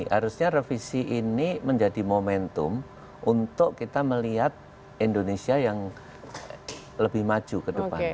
harusnya revisi ini menjadi momentum untuk kita melihat indonesia yang lebih maju ke depan